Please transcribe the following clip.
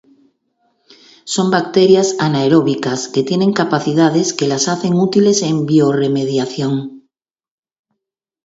Son bacterias anaeróbicas que tienen capacidades que las hacen útiles en biorremediación.